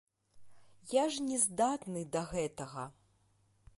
Я ж не здатны да гэтага.